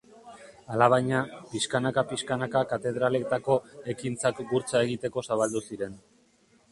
Alabaina, pixkanaka-pixkanaka katedraletako ekintzak gurtza egiteko zabaldu ziren.